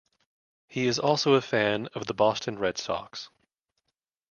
He is also a fan of the Boston Red Sox.